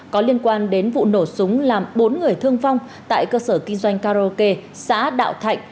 có liên quan đến vụ nổ súng làm bốn người thương vong tại cơ sở kinh doanh karaoke xã đạo thạnh